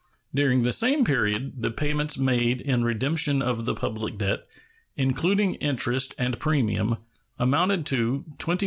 During the same period the payments made in redemption of the public debt, including interest and premium, amounted to $24,336,380.